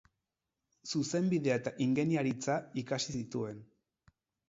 Zuzenbidea eta ingeniaritza ikasi zituen.